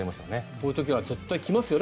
こういう時は絶対来ますよね